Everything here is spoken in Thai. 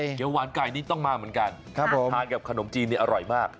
เดี๋ยวหวานไก่นี้ต้องมาเหมือนกันทานกับขนมจีนนี่อร่อยมาก